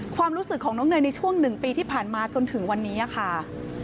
ความรู้สึกของน้องเนยในช่วง๑ปีที่ผ่านมาจนถึงวันนี้ค่ะ